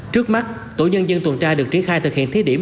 trước mắt tổ nhân dân tuần tra được tri khai thực hiện thiết điểm